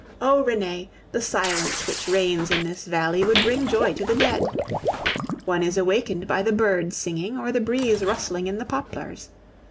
Oh! Renee, the silence which reigns in this valley would bring joy to the dead! One is awakened by the birds singing or the breeze rustling in the poplars.